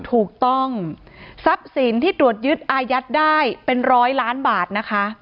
ถูกต้องทรัพย์สินที่ตรวจยึดอายัดได้เป็นร้อยล้านบาทนะคะ